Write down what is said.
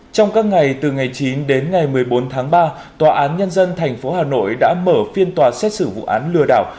trong các ngày từ ngày chín đến ngày một mươi bốn tháng ba tòa án nhân dân tp hà nội đã mở phiên tòa xét xử vụ án lừa đảo